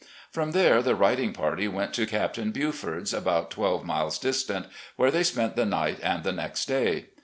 From there the riding party went to Captain Buford's, about twelve miles distant, where they spent the night and the next day.